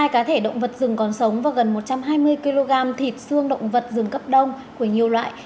hai mươi cá thể động vật rừng còn sống và gần một trăm hai mươi kg thịt xương động vật rừng cấp đông của nhiều loại